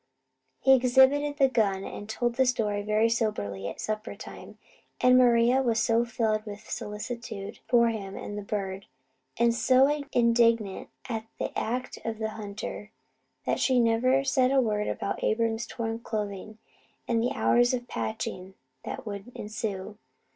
He exhibited the gun, and told the story very soberly at supper time; and Maria was so filled with solicitude for him and the bird, and so indignant at the act of the hunter, that she never said a word about Abram's torn clothing and the hours of patching that would ensue.